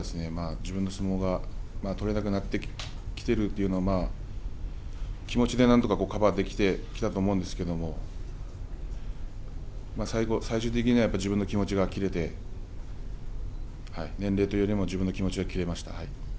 自分の相撲が取れなくなってきているというのは気持ちでなんとかカバーできてきたと思うんですけれど最終的には自分の気持ちが切れて年齢というよりも自分の気持ちが切れましたね。